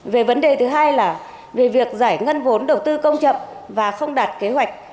về vấn đề thứ hai là về việc giải ngân vốn đầu tư công chậm và không đạt kế hoạch